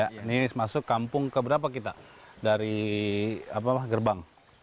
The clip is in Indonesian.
ini masuk kampung ke berapa kita dari apa gerbang